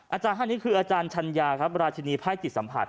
อาจารย์ท่านนี้คืออาจารย์ชัญญาครับราชินีภัยจิตสัมผัส